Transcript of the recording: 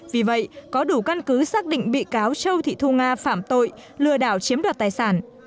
vì vậy có đủ căn cứ xác định bị cáo châu thị thu nga phạm tội lừa đảo chiếm đoạt tài sản